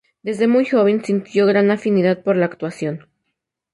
Desde muy joven sintió gran afinidad por la actuación.